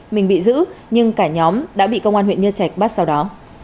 mình bị giữ nhưng cả nhóm đã bị công an huyện nhân trạch bắt sau đó